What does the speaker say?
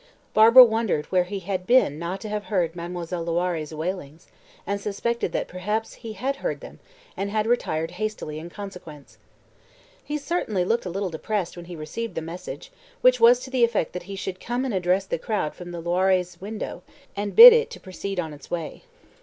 Barbara wondered where he had been not to have heard Mademoiselle Loiré's wailings, and suspected that perhaps he had heard them and had retired hastily in consequence! He certainly looked a little depressed when he received the message, which was to the effect that he should come and address the crowd from the Loirés' window, and bid it to proceed on its way.